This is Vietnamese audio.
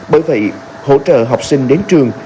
bởi vậy hỗ trợ học sinh đến trường